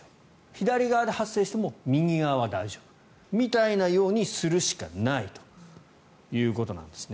左側で発生しても右側は大丈夫みたいにするしかないということです。